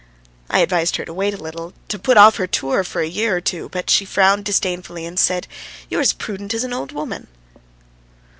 I advised her to wait a little, to put off her tour for a year or two, but she frowned disdainfully and said: "You're as prudent as an old woman!"